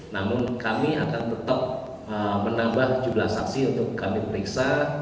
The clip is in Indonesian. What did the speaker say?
namun kami akan tetap menambah jumlah saksi untuk kami periksa